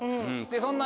そんな。